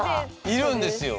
いるんですよ。